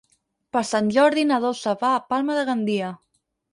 Per Sant Jordi na Dolça va a Palma de Gandia.